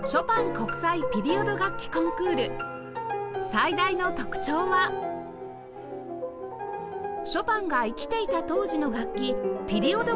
最大の特徴はショパンが生きていた当時の楽器ピリオド